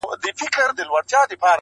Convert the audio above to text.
د دوبي ټکنده غرمې د ژمي سوړ سهار مي~